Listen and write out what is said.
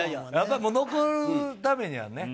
もう残るためにはね。